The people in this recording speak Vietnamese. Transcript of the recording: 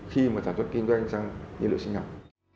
khi mà thả thuật kinh doanh sang nhiên lượng sinh học